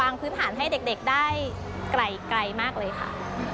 พื้นฐานให้เด็กได้ไกลมากเลยค่ะ